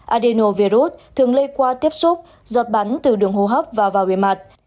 adinovirus thường lây qua tiếp xúc giọt bắn từ đường hô hấp và vào bề mặt